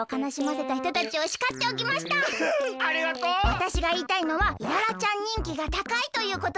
わたしがいいたいのはイララちゃんにんきがたかいということです。